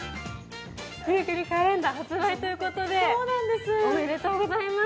日めくりカレンダー発売ということで、おめでとうございます。